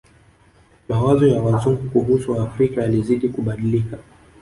Mawazo ya Wazungu kuhusu Waafrika yalizidi kubadilika